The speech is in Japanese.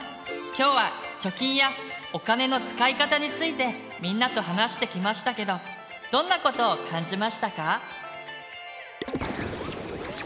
今日は「貯金」や「お金の使い方」についてみんなと話してきましたけどどんなことを感じましたか？